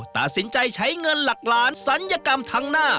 ตัดสินใจใช้เงินหลักล้านศัลยกรรมทั้งหน้า